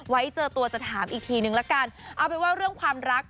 ไว้เจอตัวจะถามอีกทีนึงเอาไว้ว่าเรื่องความรัก